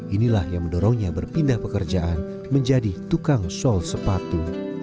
inilah yang mendorongnya berpindah pekerjaan menjadi tukang sol sepatu